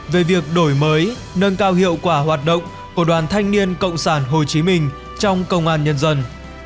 về việc đổi mới nâng cao hiệu quả hoạt động của đoàn thanh niên cộng sản hồ chí minh trong công an nhân dân